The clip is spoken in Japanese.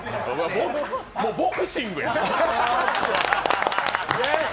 もうボクシングや。